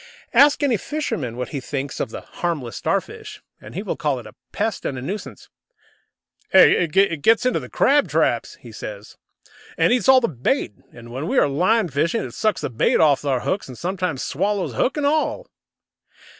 Ask any fisherman what he thinks of the "harmless" Starfish, and he will call it a pest and a nuisance. "It gets into the crab traps," he says, "and eats all the bait. And when we are line fishing it sucks the bait off our hooks, and sometimes swallows hook and all."